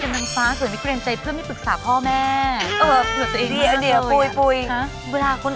แม่บ้านจรรย์บ้าน